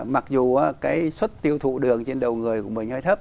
mặc dù cái suất tiêu thụ đường trên đầu người của mình hơi thấp